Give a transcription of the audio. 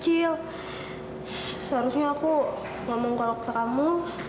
seharusnya aku ngomong kalau ke kamu